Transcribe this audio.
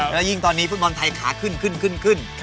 แล้วยิ่งตอนนี้ฟุตบอลไทยขาขึ้นขึ้นขึ้น